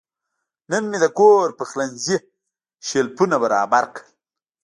نن مې د کور پخلنځي شیلفونه برابر کړل.